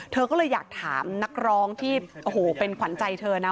เธอก็เลยอยากถามนักร้องที่โอ้โหเป็นขวัญใจเธอนะ